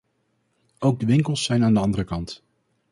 Ook de winkels zijn aan de andere kant.